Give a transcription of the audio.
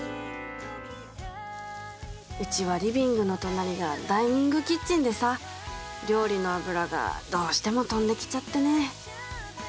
うちはリビングの隣がダイニングキッチンでさ料理の油がどうしても飛んできちゃってね。